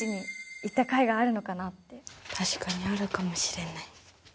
確かにあるかもしれない。